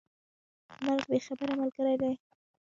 مرګ بې خبره ملګری دی.